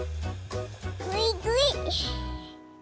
ぐいぐい。